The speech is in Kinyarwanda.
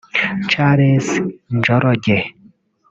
Charles Njoroge